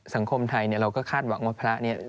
สังคมไทยเราก็คาดหวังว่าพระเนี่ย